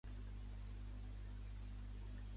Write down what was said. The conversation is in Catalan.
Es queixava melòdicament com l'ovella de la Isabel.